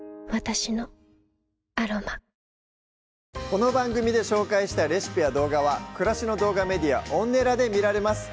この番組で紹介したレシピや動画は暮らしの動画メディアＯｎｎｅｌａで見られます